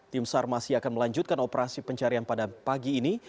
tim sar masih akan melanjutkan operasi pencarian pada pagi ini